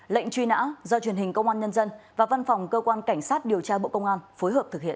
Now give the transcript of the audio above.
lệnh truy nã do truyền hình công an nhân dân và văn phòng cơ quan cảnh sát điều tra bộ công an phối hợp thực hiện